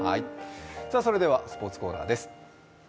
それではスポーツコーナーです。